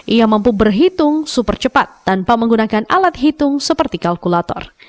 ia mampu berhitung super cepat tanpa menggunakan alat hitung seperti kalkulator